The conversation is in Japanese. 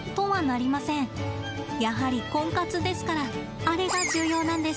やはりコンカツですからあれが重要なんです。